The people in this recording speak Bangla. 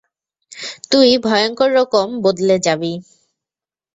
তুই ভয়ংকর রকম বদলে জাবি।